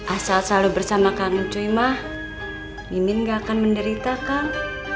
asal selalu bersama kang cuima mimin gak akan menderita kang